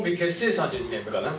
３２年目かな。